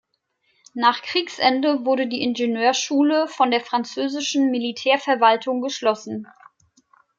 Nach Kriegsende wurde die Ingenieurschule von der französischen Militärverwaltung geschlossen.